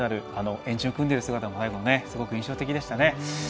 円陣を組んでいる姿もすごく印象的でした。